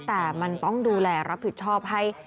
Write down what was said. แต่มันต้องดูแลรับผิดชอบให้